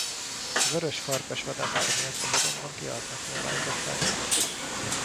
A vörös farkast vadászata miatt a vadonban kihaltnak nyilvánították.